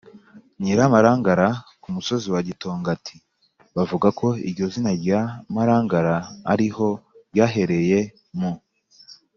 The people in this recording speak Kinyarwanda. nyiramarangara, ku musozi wa gitongati, bavuga ko izina rya marangara ariho ryahereye, mu